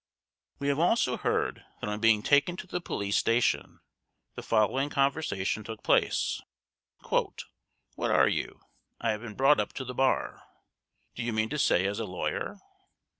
We have also heard that on being taken to the police station the following conversation took place: "What are you? I have been brought up to the bar. "Do you mean to say as a lawyer?